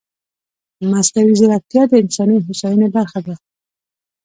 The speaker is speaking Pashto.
مصنوعي ځیرکتیا د انساني هوساینې برخه ده.